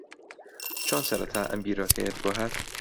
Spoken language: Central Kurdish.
چۆن سەرەتا ئەم بیرۆکەیەت بۆ ھات؟